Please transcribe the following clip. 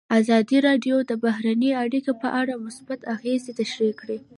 ازادي راډیو د بهرنۍ اړیکې په اړه مثبت اغېزې تشریح کړي.